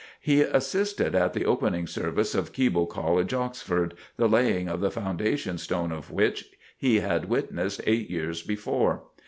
He assisted at the opening service of Keble College, Oxford, the laying of the foundation stone of which he had witnessed eight years before.